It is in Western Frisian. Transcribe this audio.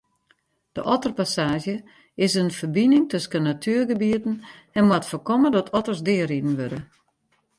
De otterpassaazje is in ferbining tusken natuergebieten en moat foarkomme dat otters deariden wurde.